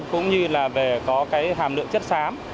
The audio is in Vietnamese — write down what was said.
cũng như là về có cái hàm lượng chất xám